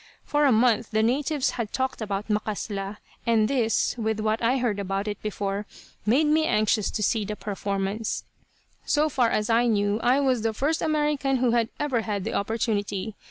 For a month the natives had talked about "macasla," and this, with what I had heard about it before, made me anxious to see the performance. So far as I knew I was the first American who had ever had the opportunity.